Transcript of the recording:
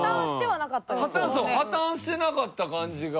破綻してなかった感じが。